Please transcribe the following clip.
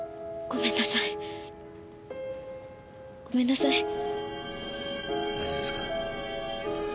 ごめんなさい。